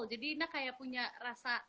jadi dia kayak punya rasa